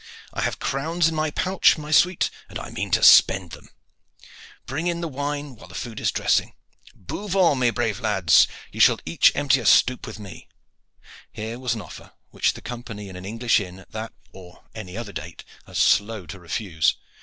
I have crowns in my pouch, my sweet, and I mean to spend them. Bring in wine while the food is dressing. Buvons my brave lads; you shall each empty a stoup with me." Here was an offer which the company in an English inn at that or any other date are slow to refuse.